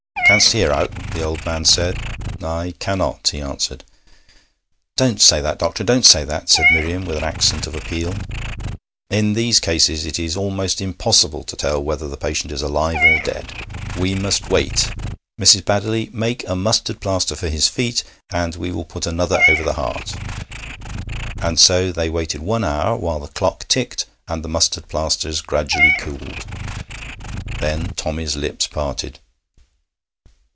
'Canst hear owt?' the old man said. 'I cannot,' he answered. 'Don't say that, doctor don't say that! said Miriam, with an accent of appeal. 'In these cases it is almost impossible to tell whether the patient is alive or dead. We must wait. Mrs. Baddeley, make a mustard plaster for his feet, and we will put another over the heart.' And so they waited one hour, while the clock ticked and the mustard plasters gradually cooled. Then Tommy's lips parted.